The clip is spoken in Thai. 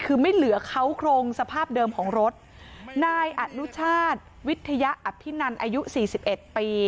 คือไม่เหลือเขาโครงสภาพเดิมของรถนายอนุชาติวิทยาอภินันอายุสี่สิบเอ็ดปี